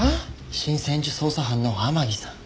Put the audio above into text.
新専従捜査班の天樹さん。